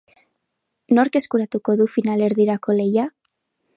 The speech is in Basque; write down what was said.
Nork eskuratuko du final erdirako lehia?